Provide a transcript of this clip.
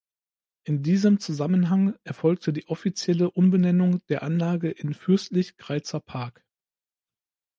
In diesem Zusammenhang erfolgte die offizielle Umbenennung der Anlagen in "Fürstlich Greizer Park".